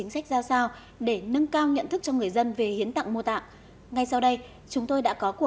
xin chào và hẹn gặp lại